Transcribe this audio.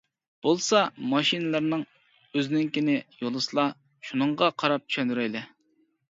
بولسا ماشىنىلىرىنىڭ ئۆزىنىڭكىنى يوللىسىلا شۇنىڭغا قاراپ چۈشەندۈرەيلى.